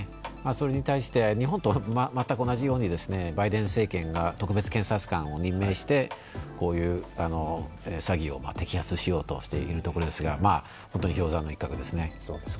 それに対して、日本と全く同じようにバイデン政権が特別検察官を任命してこういう詐欺を摘発しようとしているところですが、本当に氷山の一角ですね。